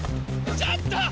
ちょっと！